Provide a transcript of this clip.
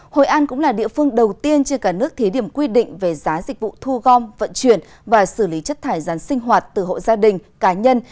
hội an cũng là địa phương đầu tiên trên cả nước thí điểm quy định về giá dịch vụ thu gom vận chuyển và xử lý chất thải rán sinh hoạt từ hộ gia đình cá nhân